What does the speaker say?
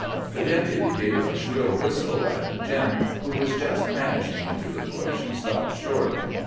The Deputy gave a shrill whistle, and Jim, who was just vanishing into the bush, stopped short.